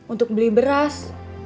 untuk beli beras